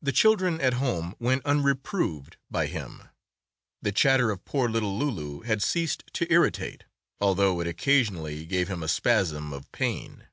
The children at home went unreproved by him. The chatter of poor little Loulou had ceased to irritate, although it occasionally gave him a spasm of pain.